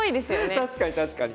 確かに確かに。